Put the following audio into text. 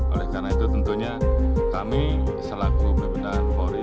oleh karena itu tentunya kami selaku berbenahan